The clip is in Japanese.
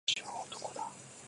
私は男だ。